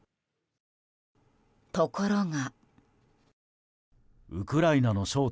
ところが。